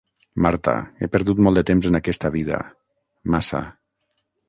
Marta, he perdut molt de temps en aquesta vida, massa.